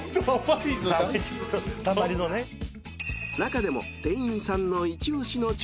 ［中でも店員さんの］